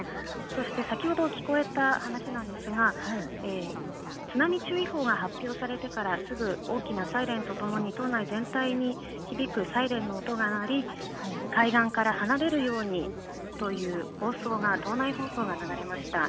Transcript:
そして先ほど聞こえた話ですが、津波注意報が発表されてからすぐ大きなサイレンとともに島内全体に響くサイレンの音が鳴り、海岸から離れるようにという放送が島内放送が流れました。